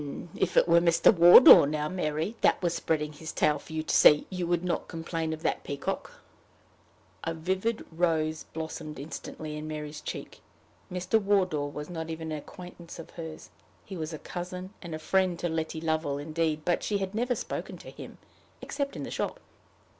"If it were Mr. Wardour now, Mary, that was spreading his tail for you to see, you would not complain of that peacock!" A vivid rose blossomed instantly in Mary's cheek. Mr. Wardour was not even an acquaintance of hers. He was cousin and friend to Letty Lovel, indeed, but she had never spoken to him, except in the shop.